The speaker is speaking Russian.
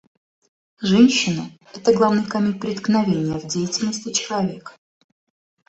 Женщины — это главный камень преткновения в деятельности человека.